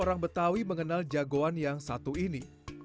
orang betawi mengenal jagoan yang satu ini